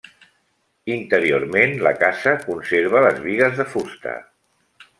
Interiorment la casa conserva les bigues de fusta.